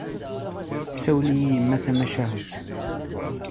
Tsawel-iyi yemma tamacahut.